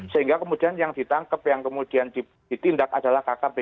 sehingga kemudian yang ditangkep yang kemudian ditindak adalah kkb